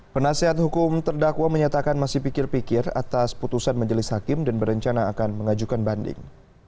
penasehat hukum terdakwa menyatakan masih pikir pikir atas putusan majelis hakim dan berencana akan mengajukan banding